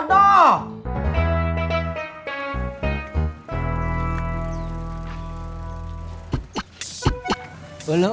neng tati kenapa jalannya begitu